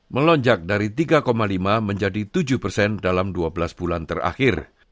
melonjak dari tiga lima menjadi tujuh persen dalam dua belas bulan terakhir